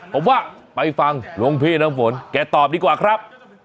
ผมว่าไปฟังหลวงพี่น้ำฝนแกตอบดีกว่าครับ